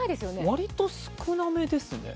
割と少なめですね。